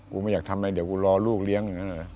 กูไม่อยากทำอะไรเดี๋ยวกูรอลูกเลี้ยง